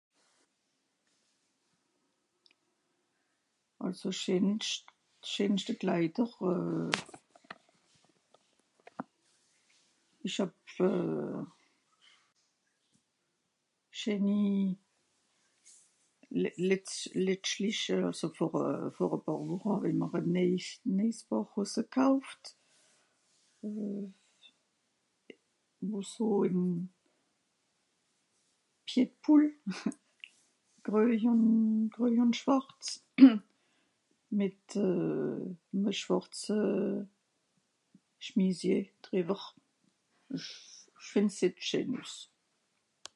àlso d'scheenscht d'scheenschte klaider euh ìsch hàb euh scheeni letscht let letschtlich vor a pààr Woche hàwiem'r a neijsch neijs pàar hosse kauft euh wo so ìm pied de poule greuj ùn schwàrz mìt'm euh schwàrze euh chemisier trewer esch fìnd'seht scheen üss